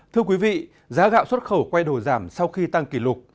thưa quý vị giá gạo xuất khẩu quay đổi giảm sau khi tăng kỷ lục